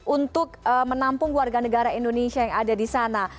untuk menampung warga negara indonesia yang ada di sana